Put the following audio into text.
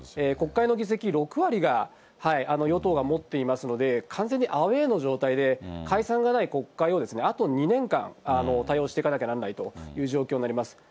国会の議席６割が与党が持っていますので、完全にアウエーの状態で、解散がない国会をあと２年間対応していかなきゃならないという状況になります。